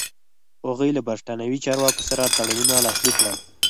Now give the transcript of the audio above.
هغوی له برېټانوي چارواکو سره تړونونه لاسلیک کړل.